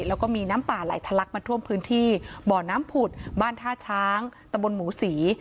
แล้วก็มีน้ำป่าไหลทะลักมาท่วมพื้นที่บ่อน้ำผุดบ้านท่าช้างตะบนหมูศรี